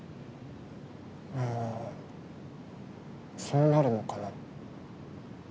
うんそうなるのかな。